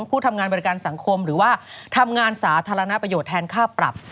ผู้ทำงานบริการสังคมหรือว่าทำงานสาธารณประโยชน์แทนค่าปรับ